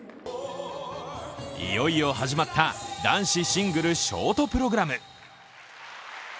いよいよ始まった男子シングルショートプログラム。